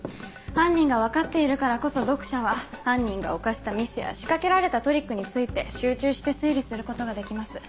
犯人が分かっているからこそ読者は犯人が犯したミスや仕掛けられたトリックについて集中して推理することができます。